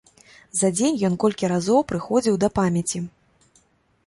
За дзень ён колькі разоў прыходзіў да памяці.